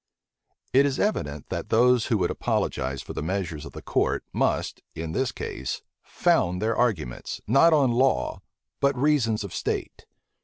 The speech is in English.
It is evident, that those who would apologize for the measures of the court, must, in this case, found their arguments, not on law, but reasons of state.